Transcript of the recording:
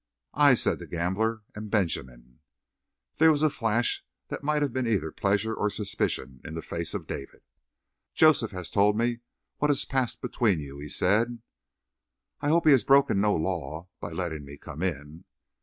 "I," said the gambler, "am Benjamin." There was a flash that might have been either pleasure or suspicion in the face of David. "Joseph has told me what has passed between you," he said. "I hope he's broken no law by letting me come in."